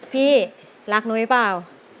พี่รักนุ๊ยหรือเปล่า